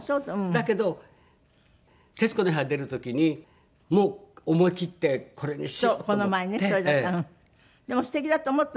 だけど『徹子の部屋』に出る時にもう思い切ってこれにしようと思って。